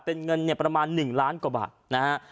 เป็นเงินเนี่ยประมาณ๑ล้านกว่าบาทนะฮะ